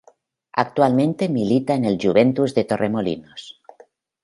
Actualmente milita en el Juventud de Torremolinos.